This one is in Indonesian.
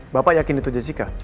bapak yakin itu jessica